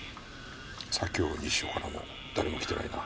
左京西署からも誰も来てないな。